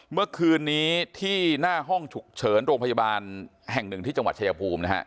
เมื่อคืนนี้ที่หน้าห้องฉุกเฉินโรงพยาบาลแห่งหนึ่งที่จังหวัดชายภูมินะฮะ